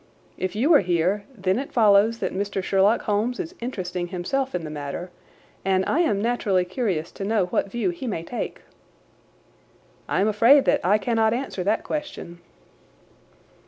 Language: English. If you are here, then it follows that Mr. Sherlock Holmes is interesting himself in the matter, and I am naturally curious to know what view he may take." "I am afraid that I cannot answer that question."